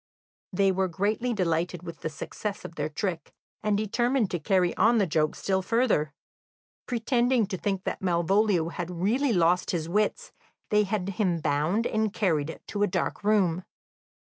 They were greatly delighted with the success of their trick, and determined to carry on the joke still further. Pretending to think that Malvolio had really lost his wits, they had him bound and carried to a dark room.